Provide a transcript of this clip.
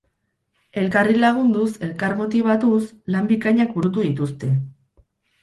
Elkarri lagunduz, elkar motibatuz, lan bikainak burutu dituzte.